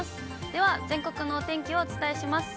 では、全国のお天気をお伝えします。